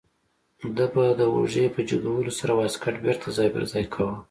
ده به د اوږې په جګولو سره واسکټ بیرته ځای پر ځای کاوه.